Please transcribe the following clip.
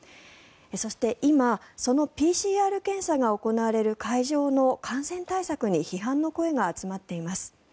そして、今そのＰＣＲ検査が行われる会場の感染対策に批判の声が集まっています。